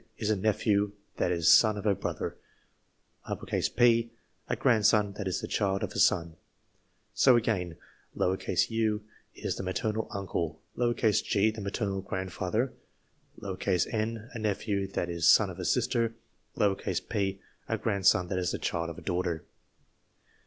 is a nephew that is son of a brother ; P. a grandson that is the child of a son. So again, u. is the maternal uncle ; g. the maternal grandfather ; n. a nephew that is son of a sister; p. a grandson that is the child of a daughter.